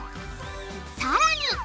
さらに！